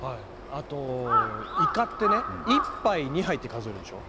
あとイカってね１杯２杯って数えるでしょ。